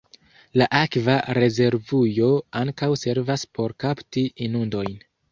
La akva rezervujo ankaŭ servas por kapti inundojn.